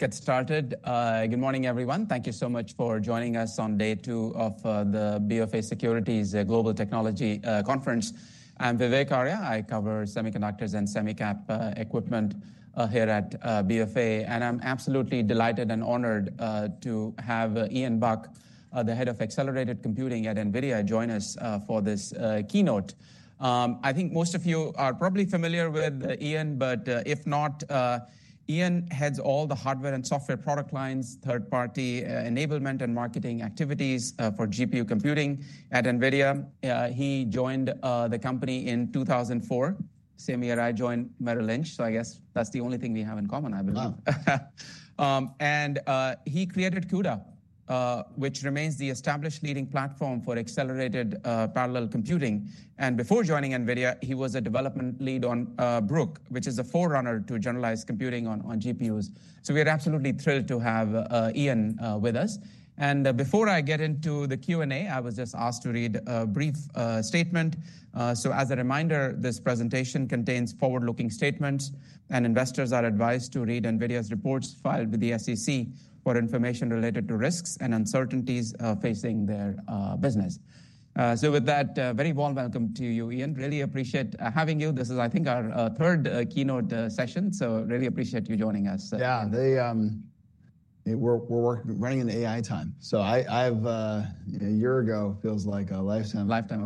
Get started. Good morning, everyone. Thank you so much for joining us on day two of the BofA Securities global technology conference. I'm Vivek Arya. I cover semiconductors and semiconductor equipment here at BofA. I'm absolutely delighted and honored to have Ian Buck, the head of accelerated computing at NVIDIA, join us for this keynote. I think most of you are probably familiar with Ian, but if not, Ian heads all the hardware and software product lines, third-party enablement, and marketing activities for GPU computing at NVIDIA. He joined the company in 2004. Same year I joined Merrill Lynch. I guess that's the only thing we have in common, I believe. He created CUDA, which remains the established leading platform for accelerated parallel computing. Before joining NVIDIA, he was a development lead on Brook, which is a forerunner to generalized computing on GPUs. We are absolutely thrilled to have Ian with us. Before I get into the Q&A, I was just asked to read a brief statement. As a reminder, this presentation contains forward-looking statements. Investors are advised to read NVIDIA's reports filed with the SEC for information related to risks and uncertainties facing their business. With that, very warm welcome to you, Ian. Really appreciate having you. This is, I think, our third keynote session. Really appreciate you joining us. Yeah, we're running into AI time. I have a year ago, feels like a lifetime. Lifetime.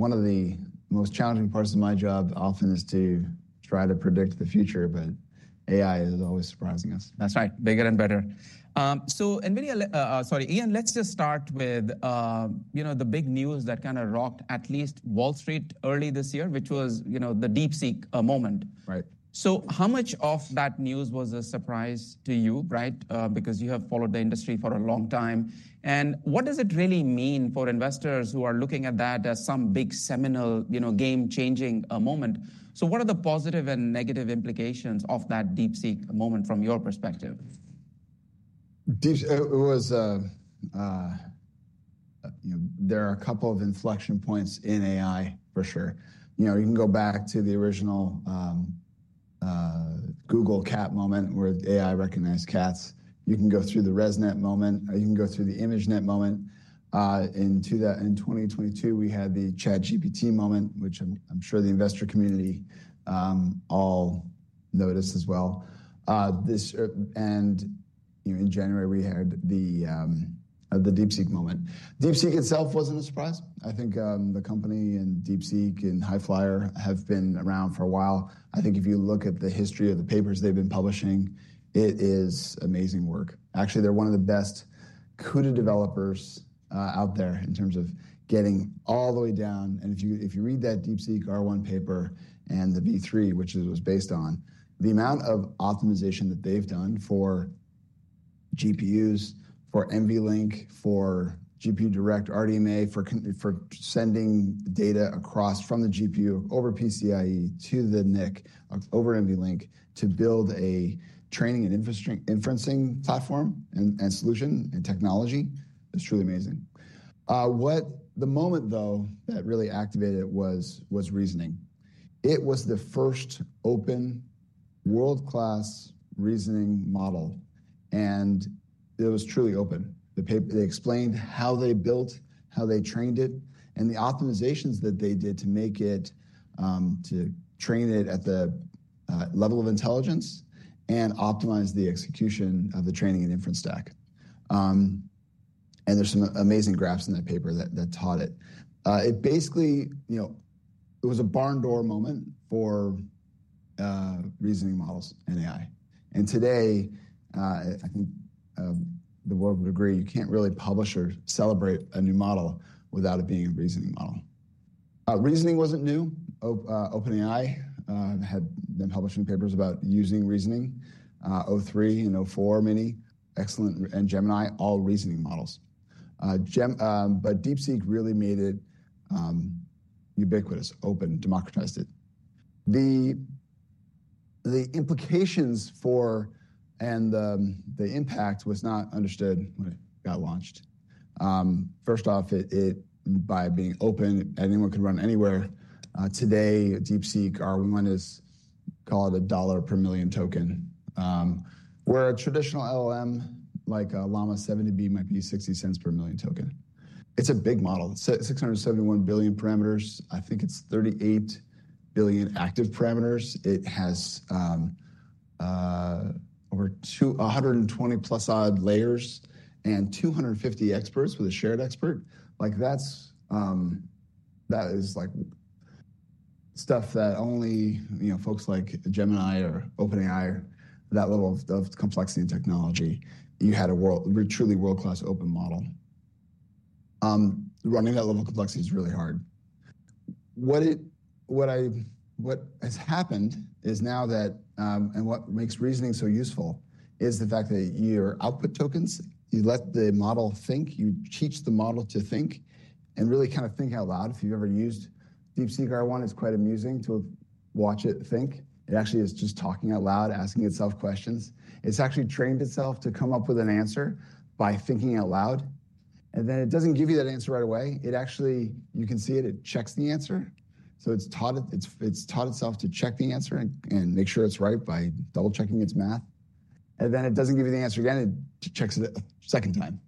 One of the most challenging parts of my job often is to try to predict the future, but AI is always surprising us. That's right. Bigger and better. Ian, let's just start with the big news that kind of rocked at least Wall Street early this year, which was the DeepSeek moment. Right. How much of that news was a surprise to you, right? Because you have followed the industry for a long time. What does it really mean for investors who are looking at that as some big seminal game-changing moment? What are the positive and negative implications of that DeepSeek moment from your perspective? It was, there are a couple of inflection points in AI, for sure. You can go back to the original Google cat moment where AI recognized cats. You can go through the ResNet moment. You can go through the ImageNet moment. In 2022, we had the ChatGPT moment, which I'm sure the investor community all noticed as well. In January, we had the DeepSeek moment. DeepSeek itself wasn't a surprise. I think the company and DeepSeek and High Flyer have been around for a while. I think if you look at the history of the papers they've been publishing, it is amazing work. Actually, they're one of the best CUDA developers out there in terms of getting all the way down. If you read that DeepSeek R1 paper and the V3, which it was based on, the amount of optimization that they've done for GPUs, for NVLink, for GPUDirect RDMA, for sending data across from the GPU over PCIe to the NIC over NVLink to build a training and inferencing platform and solution and technology, it's truly amazing. The moment, though, that really activated it was reasoning. It was the first open world-class reasoning model. It was truly open. They explained how they built, how they trained it, and the optimizations that they did to make it, to train it at the level of intelligence and optimize the execution of the training and inference stack. There are some amazing graphs in that paper that taught it. It basically, it was a barn door moment for reasoning models and AI. Today, I think the world would agree, you can't really publish or celebrate a new model without it being a reasoning model. Reasoning wasn't new. OpenAI had been publishing papers about using reasoning. O3 and o4, many excellent, and Gemini, all reasoning models. DeepSeek really made it ubiquitous, open, democratized it. The implications for and the impact was not understood when it got launched. First off, by being open, anyone could run anywhere. Today, DeepSeek R1 is called a dollar per million token, where a traditional LLM like Llama 70B might be $0.60 per million token. It's a big model, 671 billion parameters. I think it's 38 billion active parameters. It has over 120 plus odd layers and 250 experts with a shared expert. That is like stuff that only folks like Gemini or OpenAI, that level of complexity and technology, you had a truly world-class open model. Running that level of complexity is really hard. What has happened is now that, and what makes reasoning so useful is the fact that your output tokens, you let the model think, you teach the model to think, and really kind of think out loud. If you've ever used DeepSeek R1, it's quite amusing to watch it think. It actually is just talking out loud, asking itself questions. It's actually trained itself to come up with an answer by thinking out loud. It doesn't give you that answer right away. You can see it, it checks the answer. It's taught itself to check the answer and make sure it's right by double-checking its math. It does not give you the answer again, it checks it a second time.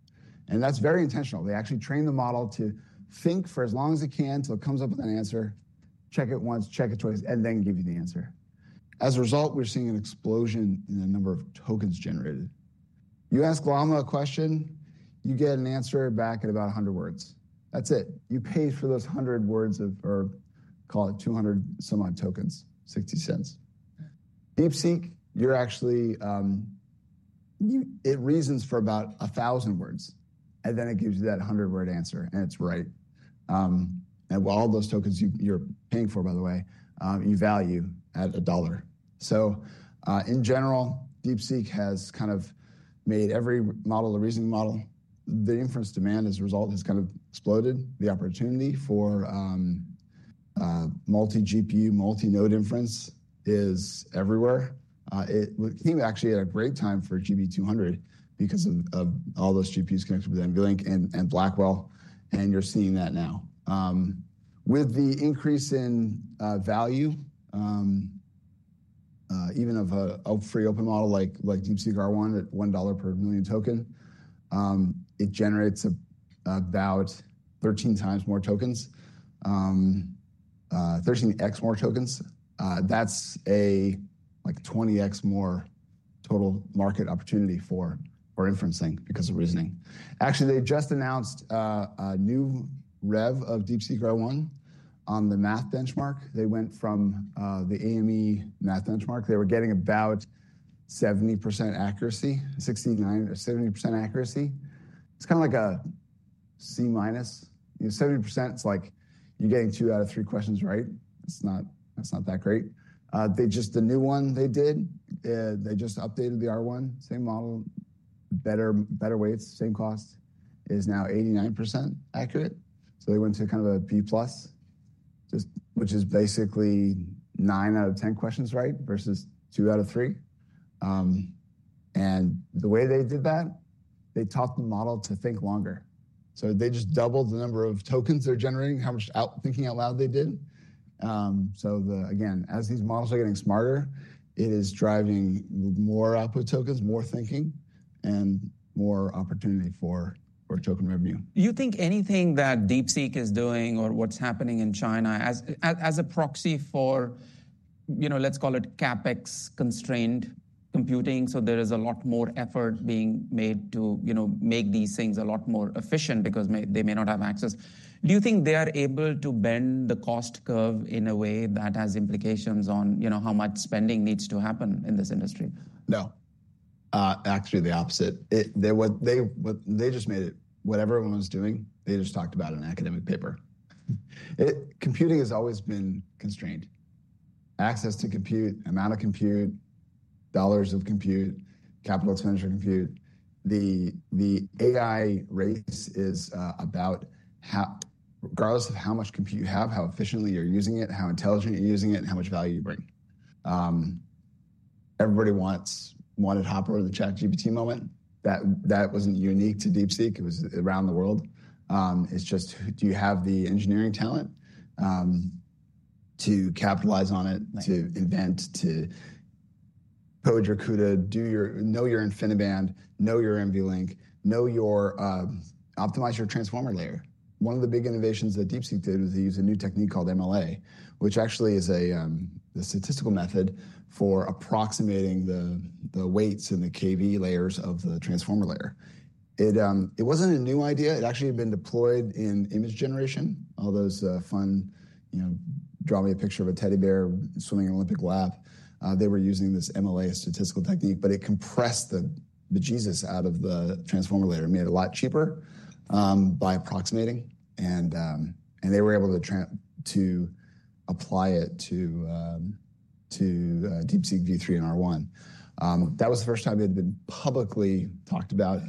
That is very intentional. They actually train the model to think for as long as it can until it comes up with an answer, check it once, check it twice, and then give you the answer. As a result, we are seeing an explosion in the number of tokens generated. You ask Llama a question, you get an answer back at about 100 words. That is it. You pay for those 100 words of, or call it 200 some odd tokens, $0.60. DeepSeek, it reasons for about 1,000 words. Then it gives you that 100-word answer, and it is right. All those tokens you are paying for, by the way, you value at $1. In general, DeepSeek has kind of made every model, the reasoning model, the inference demand as a result has kind of exploded. The opportunity for multi-GPU, multi-node inference is everywhere. It came actually at a great time for GB200 because of all those GPUs connected with NVLink and Blackwell. You're seeing that now. With the increase in value, even of a free open model like DeepSeek R1 at $1 per million token, it generates about 13 times more tokens, 13x more tokens. That's like 20x more total market opportunity for inferencing because of reasoning. Actually, they just announced a new rev of DeepSeek R1 on the math benchmark. They went from the AME math benchmark. They were getting about 70% accuracy, 69 or 70% accuracy. It's kind of like a C minus. 70%, it's like you're getting two out of three questions right. It's not that great. The new one they did, they just updated the R1, same model, better weights, same cost, is now 89% accurate. They went to kind of a B plus, which is basically nine out of 10 questions right versus two out of three. The way they did that, they taught the model to think longer. They just doubled the number of tokens they're generating, how much thinking out loud they did. As these models are getting smarter, it is driving more output tokens, more thinking, and more opportunity for token revenue. You think anything that DeepSeek is doing or what's happening in China as a proxy for, let's call it CapEx-constrained computing, so there is a lot more effort being made to make these things a lot more efficient because they may not have access, do you think they are able to bend the cost curve in a way that has implications on how much spending needs to happen in this industry? No. Actually, the opposite. They just made it what everyone was doing, they just talked about an academic paper. Computing has always been constrained. Access to compute, amount of compute, dollars of compute, capital expenditure of compute. The AI race is about regardless of how much compute you have, how efficiently you're using it, how intelligently you're using it, and how much value you bring. Everybody wants a Hopper in the ChatGPT moment. That wasn't unique to DeepSeek. It was around the world. It's just, do you have the engineering talent to capitalize on it, to invent, to code your CUDA, know your InfiniBand, know your NVLink, optimize your transformer layer? One of the big innovations that DeepSeek did was they used a new technique called MLA, which actually is a statistical method for approximating the weights and the KV layers of the transformer layer. It wasn't a new idea. It actually had been deployed in image generation, all those fun draw me a picture of a teddy bear swimming in an Olympic lap. They were using this MLA statistical technique, but it compressed the gizus out of the transformer layer. It made it a lot cheaper by approximating. And they were able to apply it to DeepSeek V3 and R1. That was the first time it had been publicly talked about.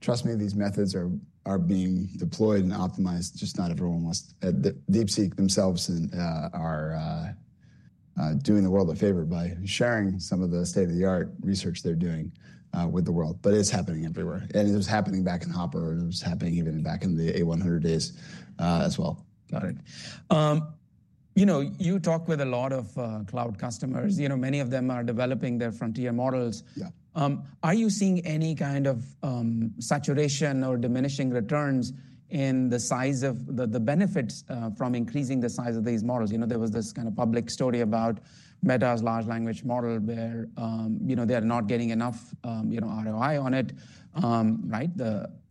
Trust me, these methods are being deployed and optimized. Just not everyone wants DeepSeek themselves are doing the world a favor by sharing some of the state-of-the-art research they're doing with the world. But it's happening everywhere. It was happening back in Hopper. It was happening even back in the A100 days as well. Got it. You talk with a lot of cloud customers. Many of them are developing their frontier models. Are you seeing any kind of saturation or diminishing returns in the size of the benefits from increasing the size of these models? There was this kind of public story about Meta's large language model where they are not getting enough ROI on it.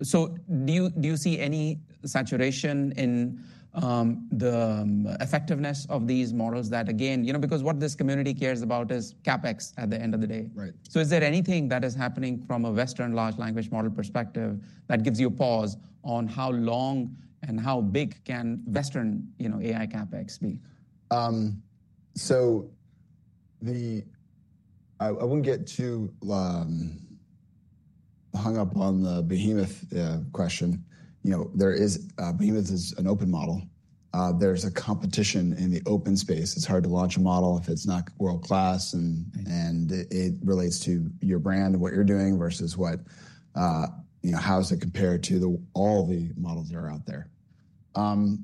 Do you see any saturation in the effectiveness of these models that, again, because what this community cares about is CapEx at the end of the day. Is there anything that is happening from a Western large language model perspective that gives you a pause on how long and how big can Western AI CapEx be? I would not get too hung up on the behemoth question. Behemoth is an open model. There is a competition in the open space. It is hard to launch a model if it is not world-class. It relates to your brand and what you are doing versus how does it compare to all the models that are out there.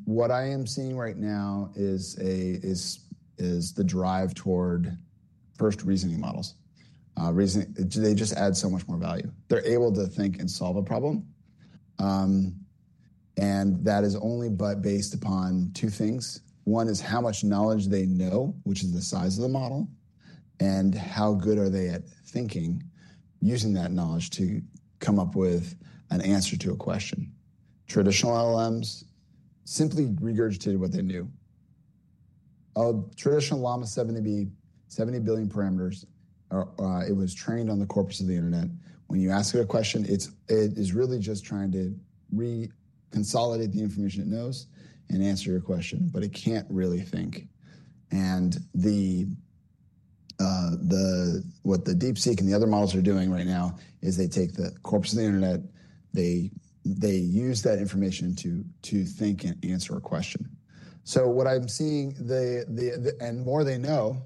What I am seeing right now is the drive toward first reasoning models. They just add so much more value. They are able to think and solve a problem. That is only but based upon two things. One is how much knowledge they know, which is the size of the model, and how good are they at thinking, using that knowledge to come up with an answer to a question. Traditional LLMs simply regurgitated what they knew. Traditional Llama 70B, 70 billion parameters, it was trained on the corpus of the internet. When you ask it a question, it is really just trying to reconsolidate the information it knows and answer your question, but it can't really think. What the DeepSeek and the other models are doing right now is they take the corpus of the internet, they use that information to think and answer a question. What I'm seeing, and the more they know,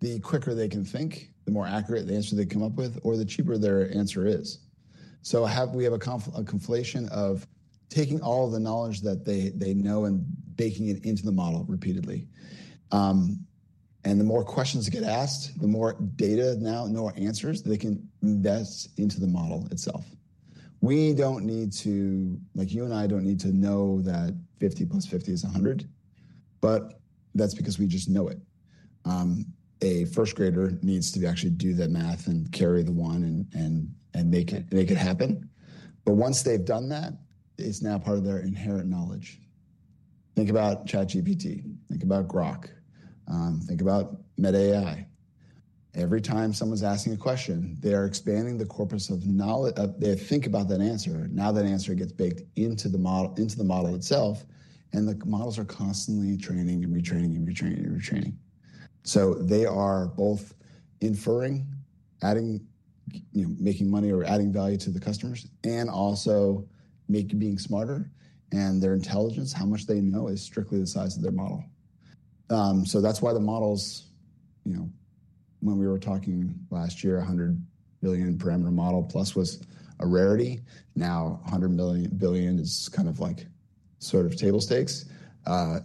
the quicker they can think, the more accurate the answer they come up with, or the cheaper their answer is. We have a conflation of taking all of the knowledge that they know and baking it into the model repeatedly. The more questions get asked, the more data now, and the more answers they can invest into the model itself. We don't need to, like you and I don't need to know that 50 plus 50 is 100, but that's because we just know it. A first grader needs to actually do the math and carry the 1 and make it happen. Once they've done that, it's now part of their inherent knowledge. Think about ChatGPT. Think about Grok. Think about Meta AI. Every time someone's asking a question, they are expanding the corpus of knowledge. They think about that answer. Now that answer gets baked into the model itself, and the models are constantly training and retraining and retraining and retraining. They are both inferring, making money or adding value to the customers, and also being smarter. Their intelligence, how much they know, is strictly the size of their model. That's why the models, when we were talking last year, 100 billion parameter model plus was a rarity. Now 100 billion is kind of like sort of table stakes,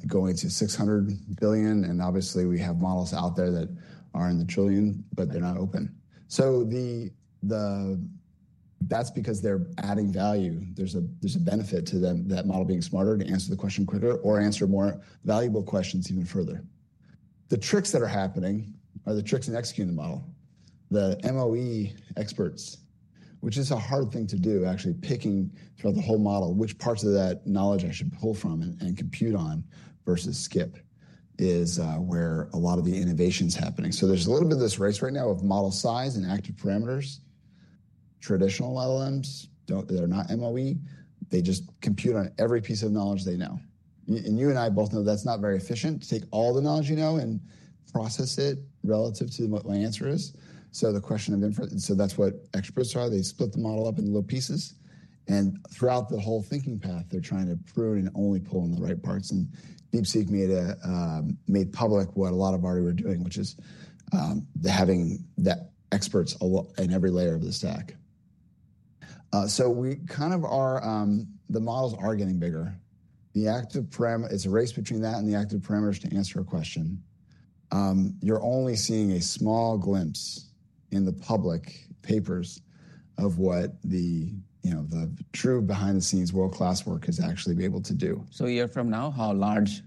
going to 600 billion. Obviously, we have models out there that are in the trillion, but they're not open. That's because they're adding value. There's a benefit to that model being smarter to answer the question quicker or answer more valuable questions even further. The tricks that are happening are the tricks in executing the model. The MOE experts, which is a hard thing to do, actually picking throughout the whole model which parts of that knowledge I should pull from and compute on versus skip is where a lot of the innovation is happening. There's a little bit of this race right now of model size and active parameters. Traditional LLMs, they're not MOE. They just compute on every piece of knowledge they know. You and I both know that's not very efficient to take all the knowledge you know and process it relative to what my answer is. The question of inference, that's what experts are. They split the model up into little pieces. Throughout the whole thinking path, they're trying to prune and only pull in the right parts. DeepSeek made public what a lot of RE were doing, which is having the experts in every layer of the stack. We kind of are, the models are getting bigger. It's a race between that and the active parameters to answer a question. You're only seeing a small glimpse in the public papers of what the true behind-the-scenes world-class work has actually been able to do. A year from now, how large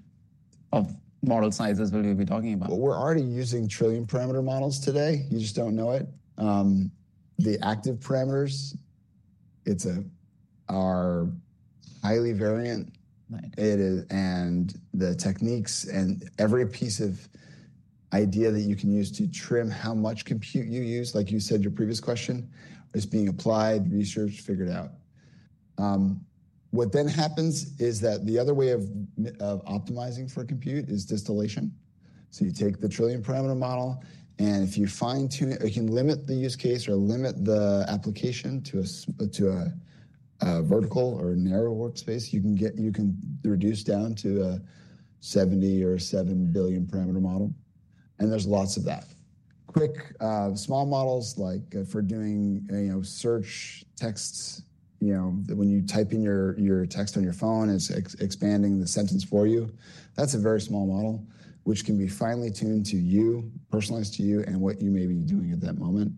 of model sizes will we be talking about? We're already using trillion parameter models today. You just don't know it. The active parameters, it's highly variant. The techniques and every piece of idea that you can use to trim how much compute you use, like you said your previous question, is being applied, researched, figured out. What then happens is that the other way of optimizing for compute is distillation. You take the trillion parameter model, and if you fine-tune, if you limit the use case or limit the application to a vertical or narrow workspace, you can reduce down to a 70 or 7 billion parameter model. There's lots of that. Quick small models like for doing search texts, when you type in your text on your phone, it's expanding the sentence for you. That's a very small model, which can be finely tuned to you, personalized to you, and what you may be doing at that moment.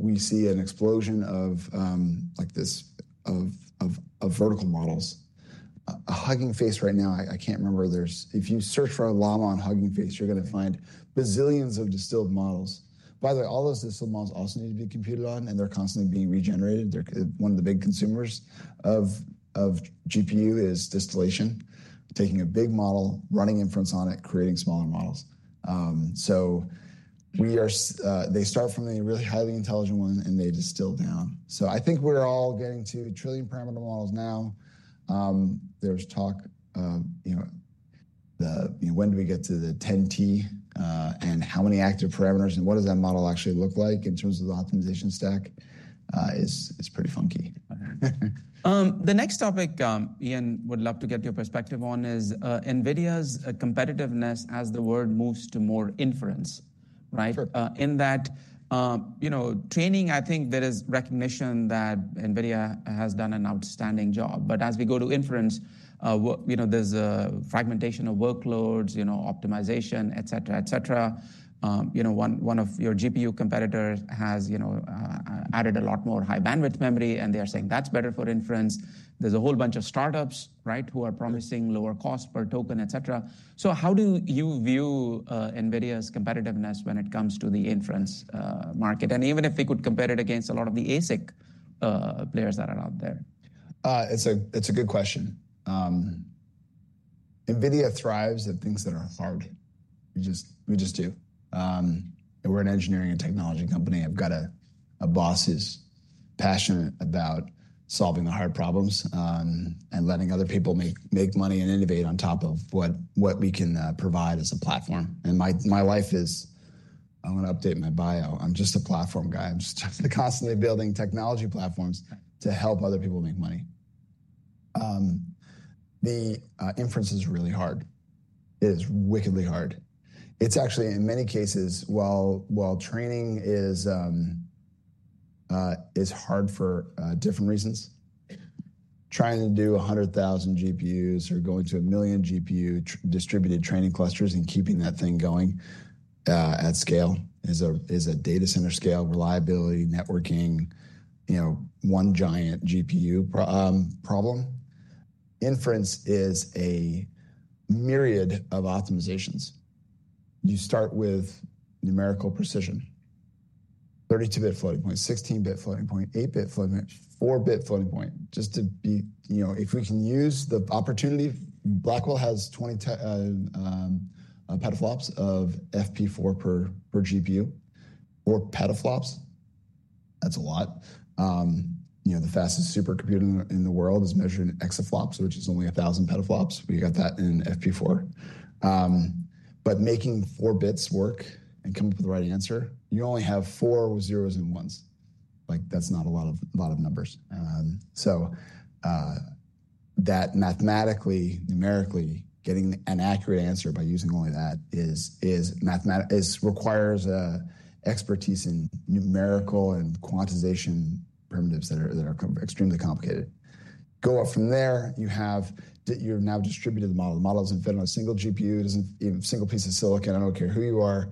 We see an explosion of vertical models. At Hugging Face right now, I can't remember. If you search for a Llama on Hugging Face, you're going to find bazillions of distilled models. By the way, all those distilled models also need to be computed on, and they're constantly being regenerated. One of the big consumers of GPU is distillation, taking a big model, running inference on it, creating smaller models. They start from a really highly intelligent one, and they distill down. I think we're all getting to trillion parameter models now. There's talk of when do we get to the 10T and how many active parameters, and what does that model actually look like in terms of the optimization stack is pretty funky. The next topic Ian would love to get your perspective on is NVIDIA's competitiveness as the world moves to more inference. In that training, I think there is recognition that NVIDIA has done an outstanding job. As we go to inference, there is fragmentation of workloads, optimization, et cetera, et cetera. One of your GPU competitors has added a lot more high bandwidth memory, and they are saying that is better for inference. There is a whole bunch of startups who are promising lower cost per token, et cetera. How do you view NVIDIA's competitiveness when it comes to the inference market? Even if they could compare it against a lot of the ASIC players that are out there. It's a good question. NVIDIA thrives at things that are hard. We just do. We're an engineering and technology company. I've got a boss who's passionate about solving the hard problems and letting other people make money and innovate on top of what we can provide as a platform. My life is, I want to update my bio. I'm just a platform guy. I'm just constantly building technology platforms to help other people make money. The inference is really hard. It is wickedly hard. It's actually, in many cases, while training is hard for different reasons, trying to do 100,000 GPUs or going to a million GPU distributed training clusters and keeping that thing going at scale is a data center scale, reliability, networking, one giant GPU problem. Inference is a myriad of optimizations. You start with numerical precision, 32-bit floating point, 16-bit floating point, 8-bit floating point, 4-bit floating point. Just to be, if we can use the opportunity, Blackwell has 20 petaFLOPS of FP4 per GPU or petaFLOPS. That's a lot. The fastest supercomputer in the world is measured in exaflops, which is only 1,000 petaFLOPS. We got that in FP4. Making four bits work and come up with the right answer, you only have four zeros and 1s. That's not a lot of numbers. So that mathematically, numerically, getting an accurate answer by using only that requires expertise in numerical and quantization primitives that are extremely complicated. Go up from there, you have now distributed the model. The model is invented on a single GPU, single piece of silicon. I don't care who you are.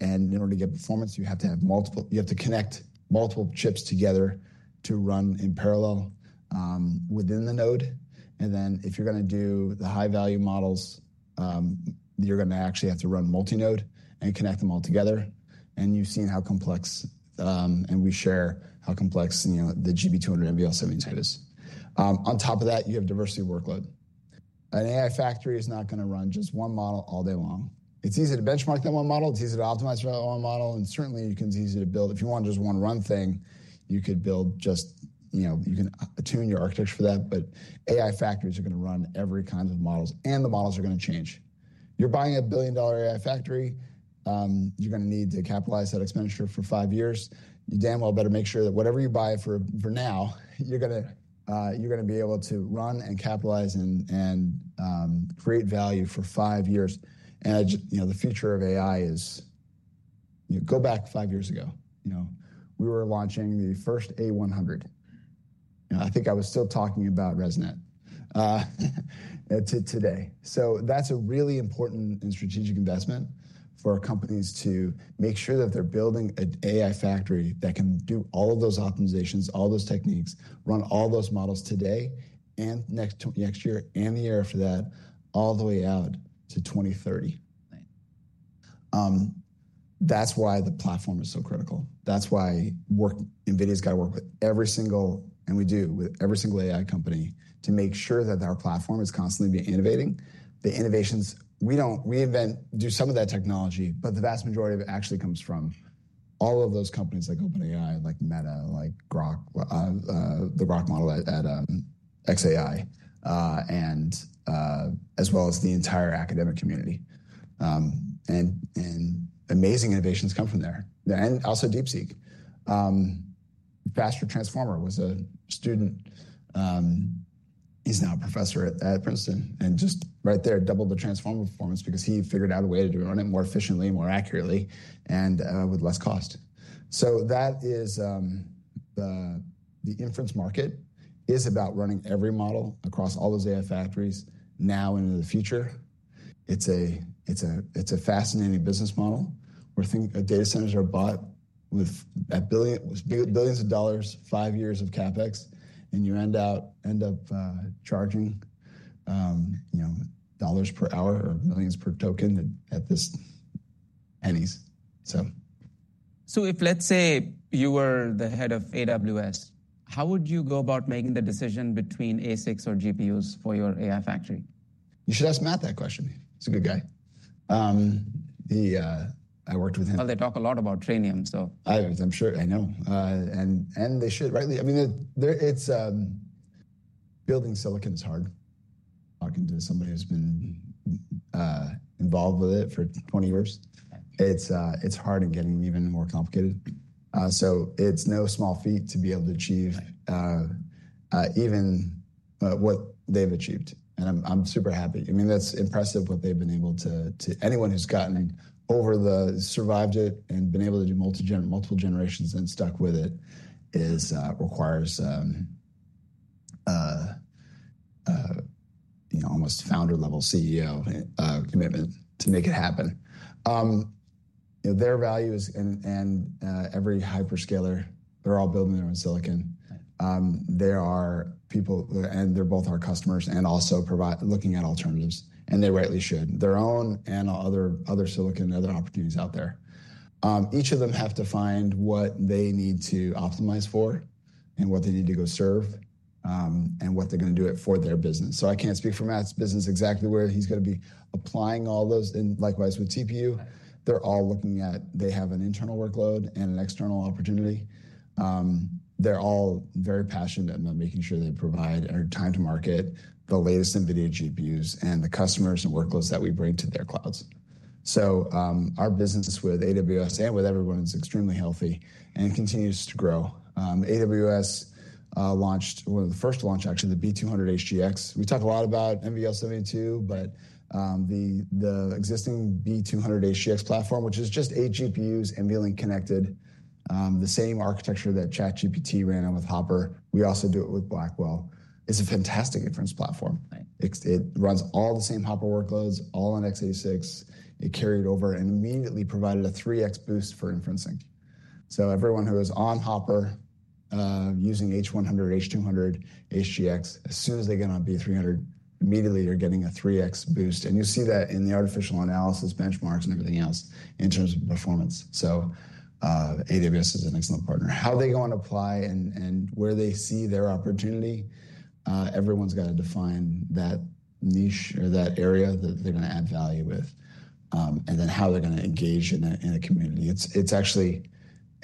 In order to get performance, you have to have multiple chips together to run in parallel within the node. If you're going to do the high-value models, you're going to actually have to run multi-node and connect them all together. You've seen how complex, and we share how complex the GB200 NVL72 type is. On top of that, you have diversity workload. An AI factory is not going to run just one model all day long. It's easy to benchmark that one model. It's easy to optimize for that one model. Certainly, it's easy to build. If you want just one run thing, you could build just, you can tune your architecture for that. AI factories are going to run every kind of models, and the models are going to change. You're buying a billion-dollar AI factory. You're going to need to capitalize that expenditure for five years. You damn well better make sure that whatever you buy for now, you're going to be able to run and capitalize and create value for five years. The future of AI is go back five years ago. We were launching the first A100. I think I was still talking about ResNet today. That's a really important and strategic investment for companies to make sure that they're building an AI factory that can do all of those optimizations, all those techniques, run all those models today and next year and the year after that all the way out to 2030. That's why the platform is so critical. That's why NVIDIA's got to work with every single, and we do with every single AI company to make sure that our platform is constantly being innovating. The innovations, we invent, do some of that technology, but the vast majority of it actually comes from all of those companies like OpenAI, like Meta, like the Grok model at XAI, as well as the entire academic community. Amazing innovations come from there. Also DeepSeek. Faster Transformer was a student. He's now a professor at Princeton. Just right there, doubled the transformer performance because he figured out a way to run it more efficiently, more accurately, and with less cost. The inference market is about running every model across all those AI factories now and in the future. It's a fascinating business model where data centers are bought with billions of dollars, five years of CapEx, and you end up charging dollars per hour or millions per token at this anys. If, let's say, you were the head of AWS, how would you go about making the decision between ASICs or GPUs for your AI factory? You should ask Matt that question. He's a good guy. I worked with him. They talk a lot about training, so. I know. They should, right? I mean, building silicon is hard. Talking to somebody who's been involved with it for 20 years, it's hard and getting even more complicated. It's no small feat to be able to achieve even what they've achieved. I'm super happy. I mean, that's impressive what they've been able to—anyone who's gotten over the survived it and been able to do multiple generations and stuck with it requires almost founder-level CEO commitment to make it happen. Their value is, and every hyperscaler, they're all building their own silicon. They are people, and they're both our customers and also looking at alternatives. They rightly should. Their own and other silicon, other opportunities out there. Each of them have to find what they need to optimize for and what they need to go serve and what they're going to do it for their business. I can't speak for Matt's business exactly where he's going to be applying all those. Likewise with TPU, they're all looking at—they have an internal workload and an external opportunity. They're all very passionate about making sure they provide time to market the latest NVIDIA GPUs and the customers and workloads that we bring to their clouds. Our business with AWS and with everyone is extremely healthy and continues to grow. AWS launched one of the first launches, actually, the B200 HGX. We talk a lot about NVL72, but the existing B200 HGX platform, which is just eight GPUs NVLink connected, the same architecture that ChatGPT ran on with Hopper, we also do it with Blackwell. It's a fantastic inference platform. It runs all the same Hopper workloads, all on x86. It carried over and immediately provided a 3x boost for inferencing. Everyone who is on Hopper using H100, H200, HGX, as soon as they get on B300, immediately they're getting a 3x boost. You see that in the artificial analysis benchmarks and everything else in terms of performance. AWS is an excellent partner. How they go and apply and where they see their opportunity, everyone's got to define that niche or that area that they're going to add value with and then how they're going to engage in the community.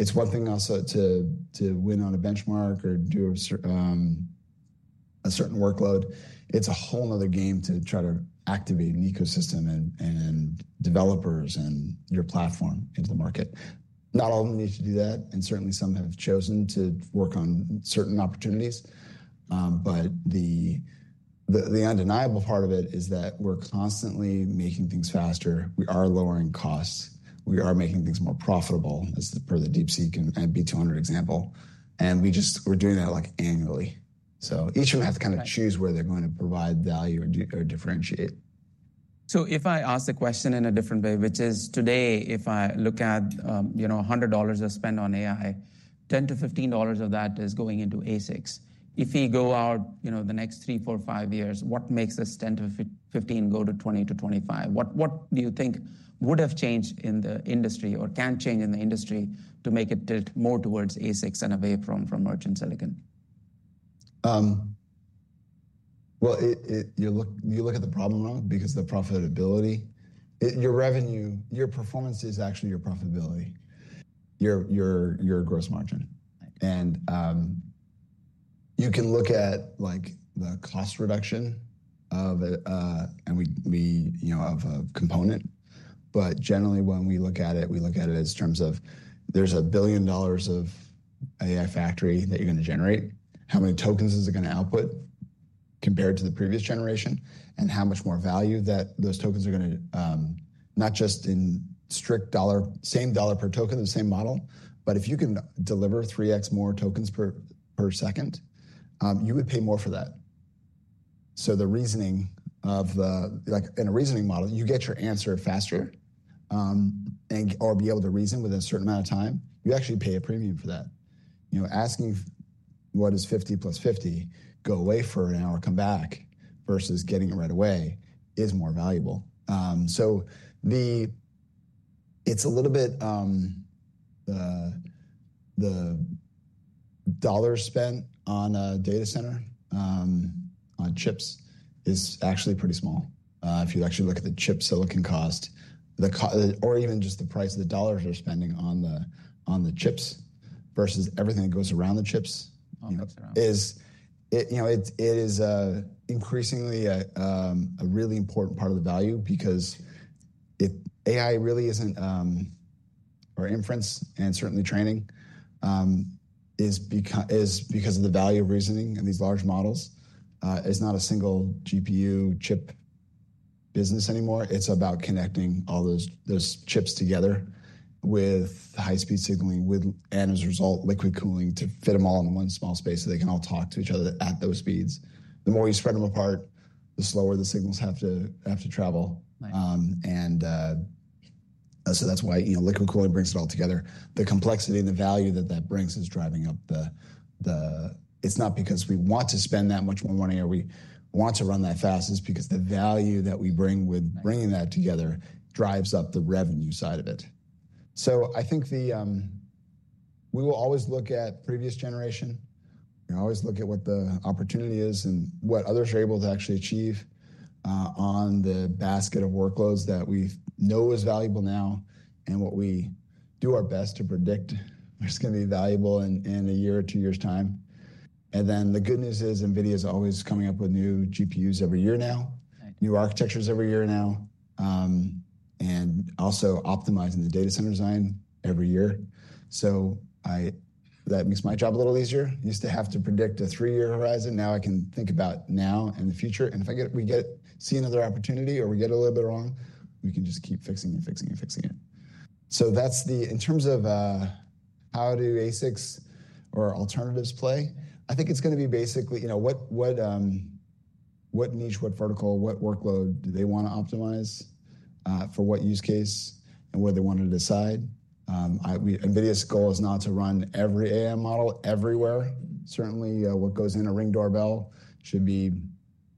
It's one thing also to win on a benchmark or do a certain workload. It's a whole nother game to try to activate an ecosystem and developers and your platform into the market. Not all of them need to do that, and certainly some have chosen to work on certain opportunities. The undeniable part of it is that we're constantly making things faster. We are lowering costs. We are making things more profitable as per the DeepSeek and B200 example. We are doing that annually. Each of them have to kind of choose where they're going to provide value or differentiate. If I ask the question in a different way, which is today, if I look at $100 I spend on AI, $10-$15 of that is going into ASICs. If we go out the next three, four, five years, what makes this $10-$15 go to $20-$25? What do you think would have changed in the industry or can change in the industry to make it tilt more towards ASICs and away from merchant silicon? You look at the problem wrong because the profitability, your revenue, your performance is actually your profitability, your gross margin. You can look at the cost reduction of a component. Generally, when we look at it, we look at it as terms of there's a billion dollars of AI factory that you're going to generate. How many tokens is it going to output compared to the previous generation and how much more value that those tokens are going to not just in strict same dollar per token, the same model, but if you can deliver 3x more tokens per second, you would pay more for that. The reasoning of the in a reasoning model, you get your answer faster or be able to reason with a certain amount of time. You actually pay a premium for that. Asking what is 50 plus 50, go away for an hour, come back versus getting it right away is more valuable. It is a little bit the dollars spent on a data center, on chips is actually pretty small. If you actually look at the chip silicon cost or even just the price of the dollars they're spending on the chips versus everything that goes around the chips, it is increasingly a really important part of the value because if AI really isn't or inference and certainly training is because of the value of reasoning and these large models, it's not a single GPU chip business anymore. It's about connecting all those chips together with high-speed signaling and, as a result, liquid cooling to fit them all in one small space so they can all talk to each other at those speeds. The more you spread them apart, the slower the signals have to travel. That is why liquid cooling brings it all together. The complexity and the value that that brings is driving up the—it's not because we want to spend that much more money or we want to run that fast. It is because the value that we bring with bringing that together drives up the revenue side of it. I think we will always look at previous generation. We will always look at what the opportunity is and what others are able to actually achieve on the basket of workloads that we know is valuable now and what we do our best to predict is going to be valuable in a year or two years' time. The good news is NVIDIA is always coming up with new GPUs every year now, new architectures every year now, and also optimizing the data center design every year. That makes my job a little easier. I used to have to predict a three-year horizon. Now I can think about now and the future. If we see another opportunity or we get a little bit wrong, we can just keep fixing and fixing and fixing it. In terms of how do ASICs or alternatives play, I think it is going to be basically what niche, what vertical, what workload do they want to optimize for, what use case, and what they want to decide. NVIDIA's goal is not to run every AI model everywhere. Certainly, what goes in a Ring Doorbell should be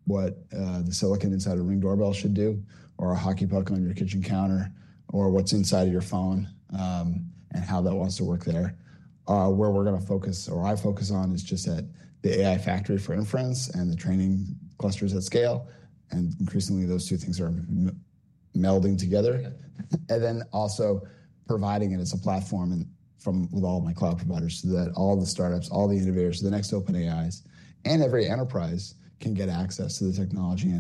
what the silicon inside a Ring Doorbell should do or a hockey puck on your kitchen counter or what's inside of your phone and how that wants to work there. Where we're going to focus or I focus on is just at the AI factory for inference and the training clusters at scale. Increasingly, those two things are melding together. Also providing it as a platform with all my cloud providers so that all the startups, all the innovators, the next OpenAIs, and every enterprise can get access to the technology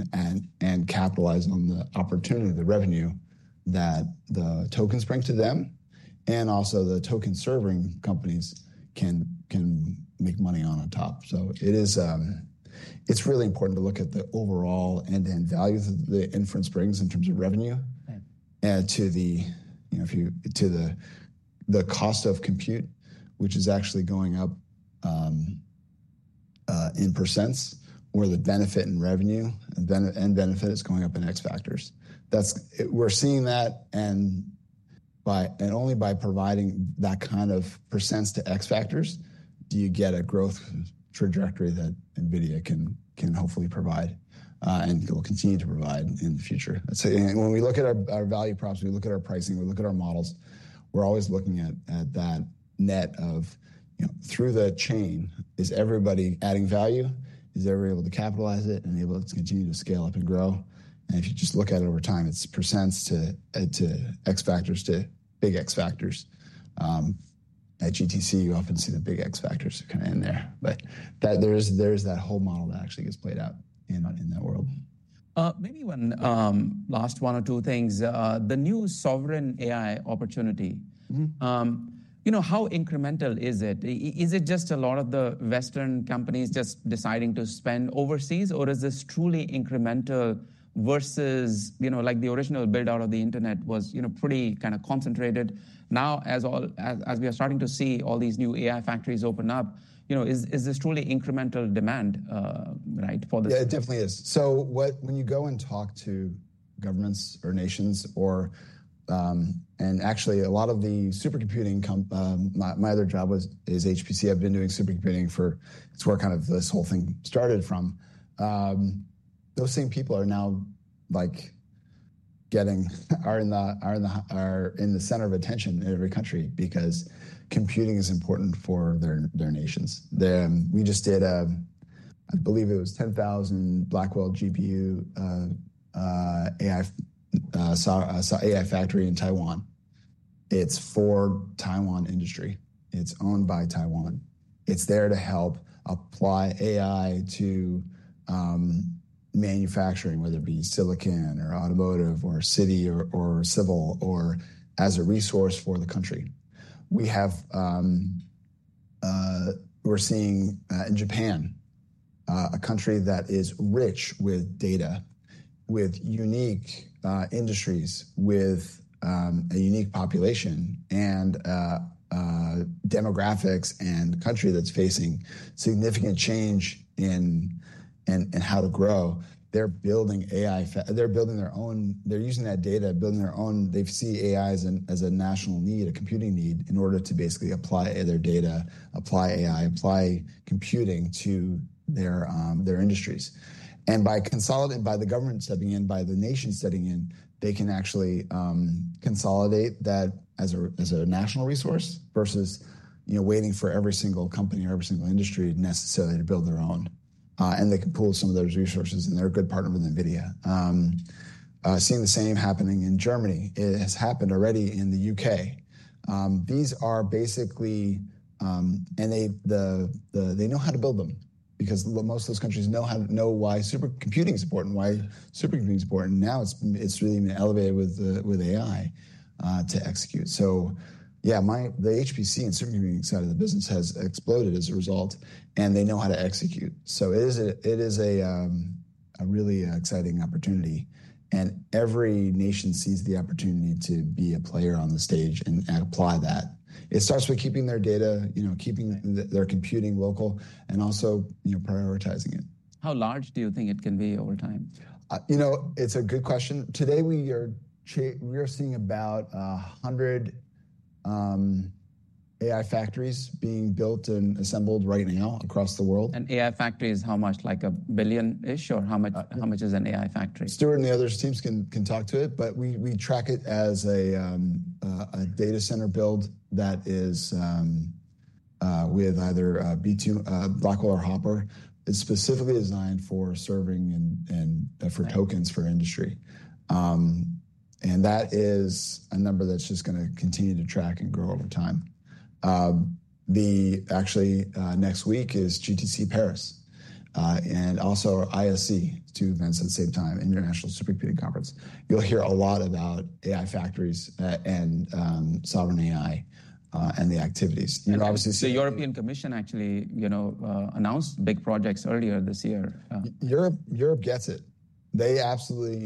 and capitalize on the opportunity, the revenue that the tokens bring to them and also the token-serving companies can make money on on top. It is really important to look at the overall end-to-end value that the inference brings in terms of revenue to the cost of compute, which is actually going up in % or the benefit and revenue and benefit is going up in X factors. We are seeing that. Only by providing that kind of % to X factors do you get a growth trajectory that NVIDIA can hopefully provide and will continue to provide in the future. When we look at our value props, we look at our pricing, we look at our models, we are always looking at that net of through the chain, is everybody adding value? Is everybody able to capitalize it and able to continue to scale up and grow? If you just look at it over time, it is % to X factors to big X factors. At GTC, you often see the big X factors kind of in there. There is that whole model that actually gets played out in that world. Maybe one last one or two things. The new sovereign AI opportunity, how incremental is it? Is it just a lot of the Western companies just deciding to spend overseas, or is this truly incremental versus the original build-out of the internet was pretty kind of concentrated? Now, as we are starting to see all these new AI factories open up, is this truly incremental demand for this? Yeah, it definitely is. When you go and talk to governments or nations and actually a lot of the supercomputing, my other job is HPC. I've been doing supercomputing for, it's where kind of this whole thing started from. Those same people are now in the center of attention in every country because computing is important for their nations. We just did, I believe it was 10,000 Blackwell GPU AI factory in Taiwan. It's for Taiwan industry. It's owned by Taiwan. It's there to help apply AI to manufacturing, whether it be silicon or automotive or city or civil or as a resource for the country. We're seeing in Japan, a country that is rich with data, with unique industries, with a unique population and demographics and a country that's facing significant change in how to grow. They're building AI. They're building their own. They're using that data, building their own. They see AI as a national need, a computing need in order to basically apply their data, apply AI, apply computing to their industries. By the government stepping in, by the nation stepping in, they can actually consolidate that as a national resource versus waiting for every single company or every single industry necessarily to build their own. They can pool some of those resources. They're a good partner with NVIDIA. Seeing the same happening in Germany. It has happened already in the U.K. These are basically, and they know how to build them because most of those countries know why supercomputing is important and why supercomputing is important. Now it's really been elevated with AI to execute. The HPC and supercomputing side of the business has exploded as a result, and they know how to execute. It is a really exciting opportunity. Every nation sees the opportunity to be a player on the stage and apply that. It starts with keeping their data, keeping their computing local, and also prioritizing it. How large do you think it can be over time? It's a good question. Today, we are seeing about 100 AI factories being built and assembled right now across the world. AI factories, how much, like a billion-ish, or how much is an AI factory? Stewart and the other teams can talk to it, but we track it as a data center build that is with either Blackwell or Hopper. It is specifically designed for serving and for tokens for industry. That is a number that is just going to continue to track and grow over time. Actually, next week is GTC Paris and also ISC, two events at the same time, International Supercomputing Conference. You will hear a lot about AI factories and sovereign AI and the activities. The European Commission actually announced big projects earlier this year. Europe gets it. They absolutely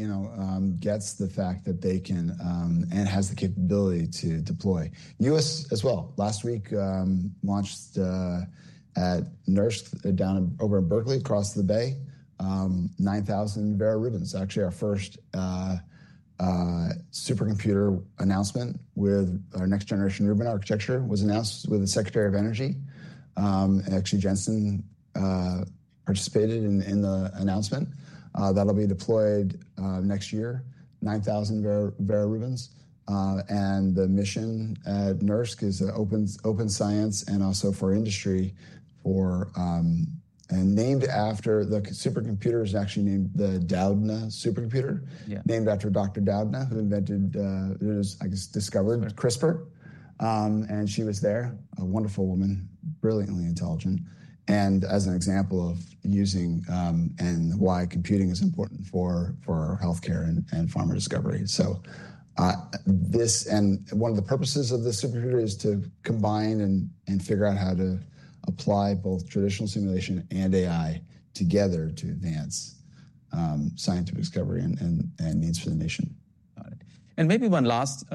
get the fact that they can and have the capability to deploy. U.S. as well. Last week launched at NERSC down over in Berkeley, across the bay, 9,000 Vera Rubins. Actually, our first supercomputer announcement with our next-generation Rubin architecture was announced with the Secretary of Energy. Actually, Jensen participated in the announcement. That will be deployed next year, 9,000 Vera Rubins. The mission at NERSC is open science and also for industry, and named after the supercomputer is actually named the Doudna supercomputer, named after Dr. Doudna, who invented, I guess, discovered CRISPR. She was there, a wonderful woman, brilliantly intelligent, and as an example of using and why computing is important for healthcare and pharma discovery. This and one of the purposes of the supercomputer is to combine and figure out how to apply both traditional simulation and AI together to advance scientific discovery and needs for the nation. Got it. Maybe one last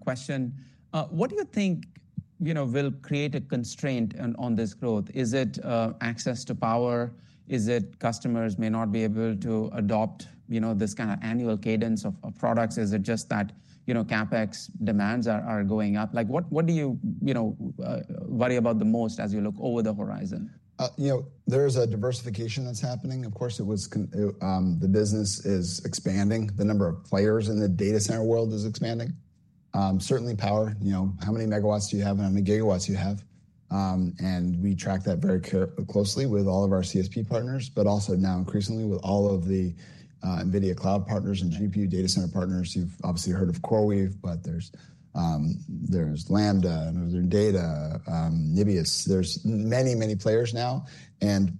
question. What do you think will create a constraint on this growth? Is it access to power? Is it customers may not be able to adopt this kind of annual cadence of products? Is it just that CapEx demands are going up? What do you worry about the most as you look over the horizon? There is a diversification that's happening. Of course, the business is expanding. The number of players in the data center world is expanding. Certainly, power. How many MW do you have and how many GW do you have? We track that very closely with all of our CSP partners, but also now increasingly with all of the NVIDIA Cloud partners and GPU data center partners. You've obviously heard of CoreWeave, but there's Lambda, there's Data, Nebius. There are many, many players now. The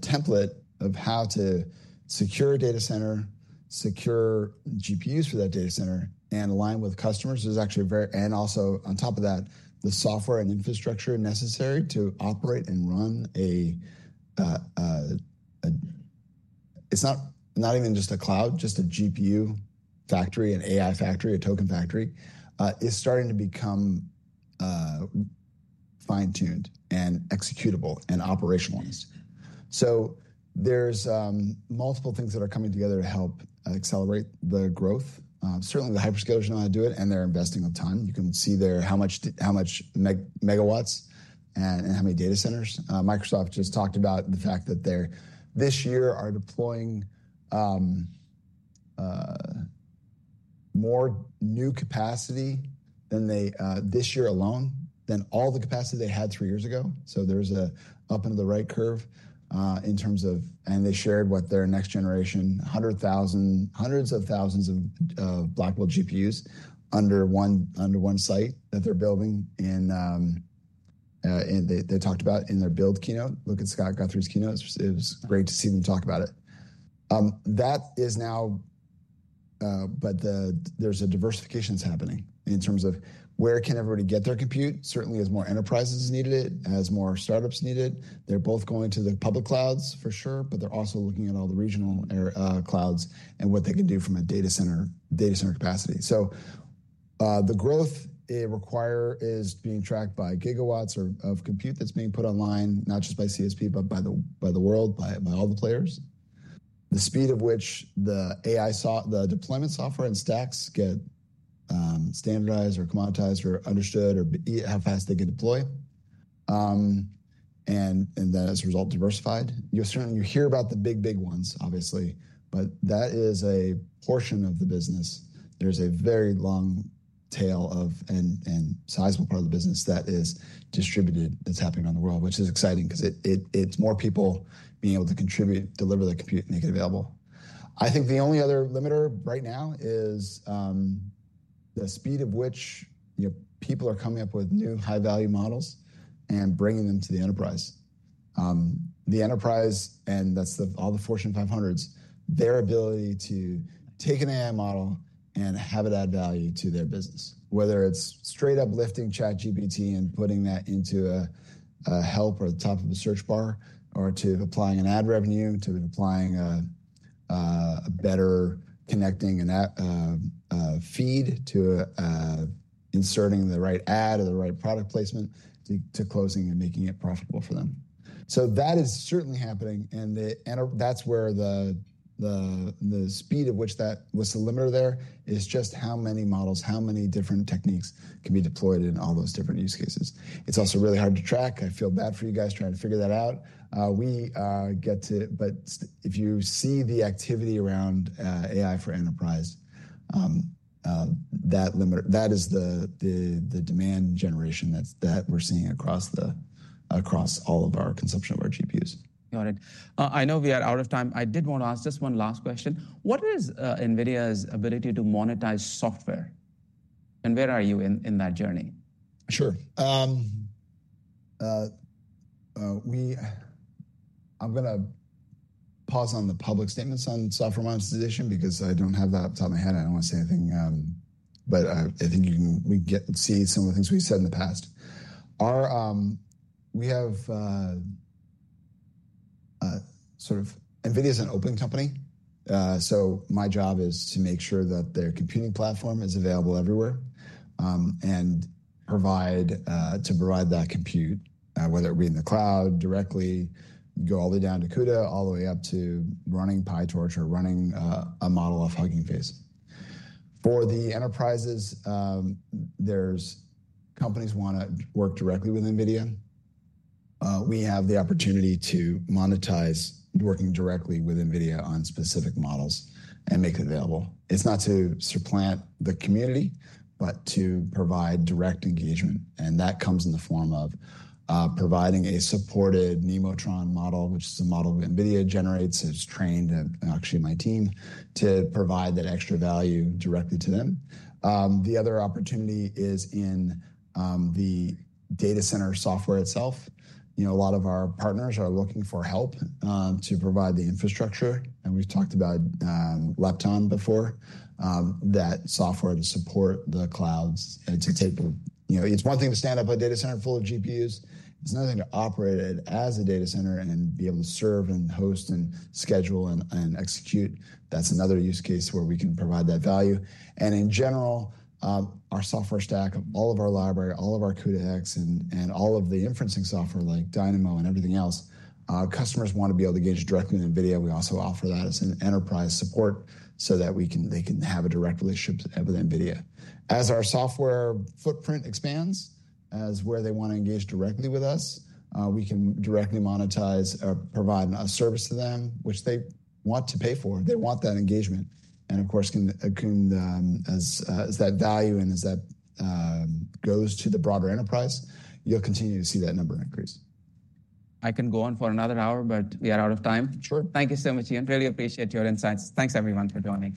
template of how to secure a data center, secure GPUs for that data center, and align with customers is actually very, and also, on top of that, the software and infrastructure necessary to operate and run a, it's not even just a cloud, just a GPU factory, an AI factory, a token factory, is starting to become fine-tuned and executable and operationalized. There are multiple things that are coming together to help accelerate the growth. Certainly, the hyperscalers are not going to do it, and they're investing a ton. You can see there how much MW and how many data centers. Microsoft just talked about the fact that they this year are deploying more new capacity this year alone than all the capacity they had three years ago. There is an up and to the right curve in terms of and they shared what their next generation hundreds of thousands of Blackwell GPUs under one site that they're building. They talked about in their build keynote. Look at Scott Guthrie's keynote. It was great to see them talk about it. That is now but there's a diversification that's happening in terms of where can everybody get their compute. Certainly, as more enterprises needed it, as more startups needed it, they're both going to the public clouds for sure, but they're also looking at all the regional clouds and what they can do from a data center capacity. The growth required is being tracked by GW of compute that's being put online, not just by CSP, but by the world, by all the players. The speed at which the deployment software and stacks get standardized or commoditized or understood or how fast they can deploy and then, as a result, diversified. Certainly, you hear about the big, big ones, obviously, but that is a portion of the business. There's a very long tail of and sizable part of the business that is distributed that's happening around the world, which is exciting because it's more people being able to contribute, deliver their compute, make it available. I think the only other limiter right now is the speed of which people are coming up with new high-value models and bringing them to the enterprise. The enterprise, and that's all the Fortune 500s, their ability to take an AI model and have it add value to their business, whether it's straight up lifting ChatGPT and putting that into a help or the top of a search bar or to applying an ad revenue, to applying a better connecting feed to inserting the right ad or the right product placement to closing and making it profitable for them. That is certainly happening. That is where the speed of which that was the limiter there is just how many models, how many different techniques can be deployed in all those different use cases. It's also really hard to track. I feel bad for you guys trying to figure that out. We get to, but if you see the activity around AI for enterprise, that is the demand generation that we're seeing across all of our consumption of our GPUs. Got it. I know we are out of time. I did want to ask just one last question. What is NVIDIA's ability to monetize software? And where are you in that journey? Sure. I'm going to pause on the public statements on software monetization because I don't have that off the top of my head. I don't want to say anything. I think we see some of the things we said in the past. We have sort of NVIDIA is an open company. My job is to make sure that their computing platform is available everywhere and to provide that compute, whether it be in the cloud directly, go all the way down to CUDA, all the way up to running PyTorch or running a model off Hugging Face. For the enterprises, there's companies want to work directly with NVIDIA. We have the opportunity to monetize working directly with NVIDIA on specific models and make it available. It's not to supplant the community, but to provide direct engagement. That comes in the form of providing a supported Nemotron model, which is a model that NVIDIA generates. It's trained, actually, my team to provide that extra value directly to them. The other opportunity is in the data center software itself. A lot of our partners are looking for help to provide the infrastructure. We've talked about Lepton before, that software to support the clouds and to take it's one thing to stand up a data center full of GPUs. It's another thing to operate it as a data center and be able to serve and host and schedule and execute. That's another use case where we can provide that value. In general, our software stack, all of our library, all of our CUDA-X, and all of the inferencing software like Dynamo and everything else, customers want to be able to engage directly with NVIDIA. We also offer that as an enterprise support so that they can have a direct relationship with NVIDIA. As our software footprint expands, as where they want to engage directly with us, we can directly monetize or provide a service to them, which they want to pay for. They want that engagement. Of course, as that value and as that goes to the broader enterprise, you'll continue to see that number increase. I can go on for another hour, but we are out of time. Sure. Thank you so much, Ian. Really appreciate your insights. Thanks, everyone, for joining us.